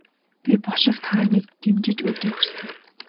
Би бошигт хааныг дэмжиж өдий хүрсэн.